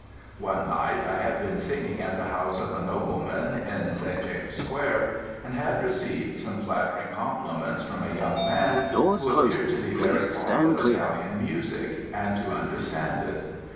"One night I had been singing at the house of a nobleman, in St. James's Square, and had received some flattering compliments from a young man who appeared to be very fond of Italian music, and to understand it.